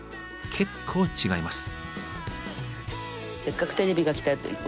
結構違います。